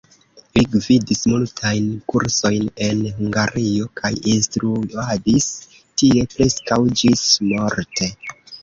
Li gvidis multajn kursojn en Hungario, kaj instruadis tie preskaŭ ĝis-morte.